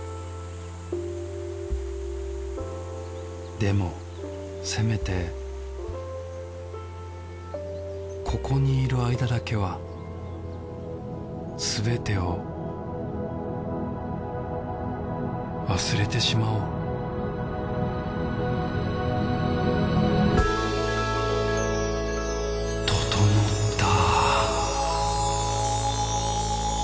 でもせめてここにいる間だけはすべてを忘れてしまおうととのった！